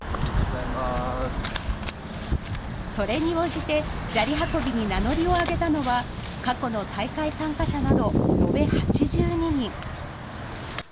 それに応じて砂利運びに名乗りを上げたのは過去の大会参加者など延べ８２人。